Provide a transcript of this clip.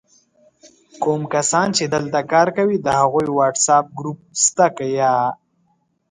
کوم کسان چې دلته کار کوي د هغوي وټس آپ ګروپ سته که یا؟!